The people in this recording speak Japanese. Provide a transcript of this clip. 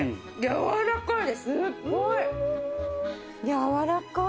やわらかい。